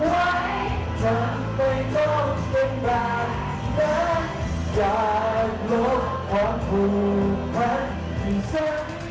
และจากโลกความผู้พันธ์ที่สุด